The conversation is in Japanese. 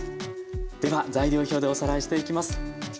では材料表でおさらいしていきます。